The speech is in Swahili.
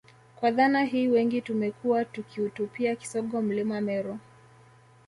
Kwa dhana hii wengi tumekuwa tukiutupia kisogo Mlima Meru